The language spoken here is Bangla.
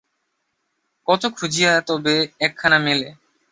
কত খুঁজিয়া তবে একখানা মেলে।